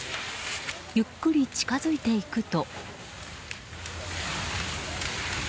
ゆっくり近づいていくと。